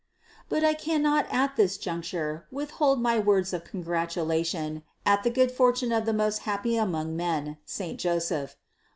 769. But I cannot at this juncture withhold my words of congratulation at the good fortune of the most happy among men, saint Joseph.